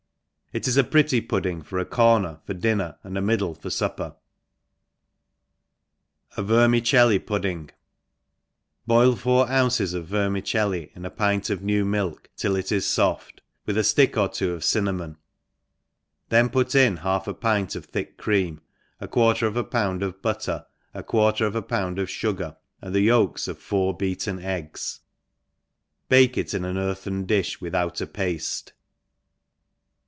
^It is a pretty podding for a corner for dinner and a middte ioc fupper« ^Vermicelli Podding. BOIL four ounces of vermicelli in a piht of aew railk till it is foft, with a flick or two of €innanK>n» then put inhalf apint of thick cream^ a quarter of a pound of butter, a quarter of t pound of fugar, and the yolks of four beaten egg$«— —^'^^ ^t ^A ^A earthen diih without a pafte.